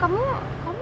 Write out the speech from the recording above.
gua mau ngambil duit